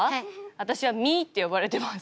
私は「み」って呼ばれてます。